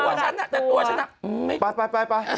ปลั๊วทุนตัวฉันน่ะก็ต้องบิ้ม